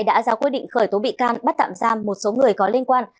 đã ra quyết định khởi tố bị can bắt tạm giam một số người có liên quan